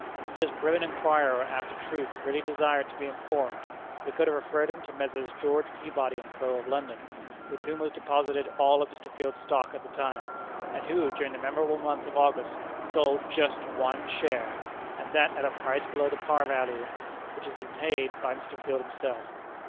If this brilliant inquirer after truth really desired to be informed, we could have referred him to Messrs. George Peabody & Co., of London, with whom was deposited all of Mr. Field's stock at the time, and who, during that memorable month of August, sold just one share, and that at a price below the par value, which had been paid by Mr. Field himself.